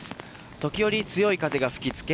時折強い風が吹き付け